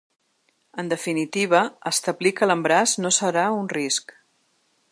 En definitiva, establir que l’embaràs no serà un risc.